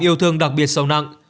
yêu thương đặc biệt sâu nặng